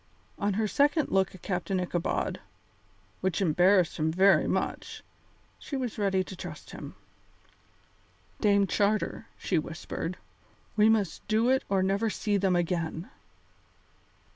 On her second look at Captain Ichabod, which embarrassed him very much, she was ready to trust him. "Dame Charter," she whispered, "we must do it or never see them again."